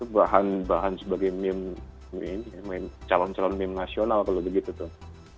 bahan bahan sebagai meme calon calon meme nasional kalau begitu tuh